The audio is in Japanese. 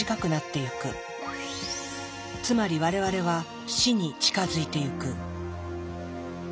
つまり我々は死に近づいていく。